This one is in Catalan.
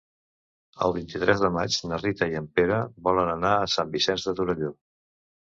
El vint-i-tres de maig na Rita i en Pere volen anar a Sant Vicenç de Torelló.